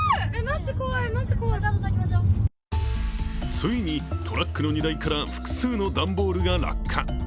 ついにトラックの荷台から複数の段ボールが落下。